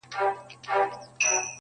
وزیران وه که قاضیان د ده خپلوان وه!!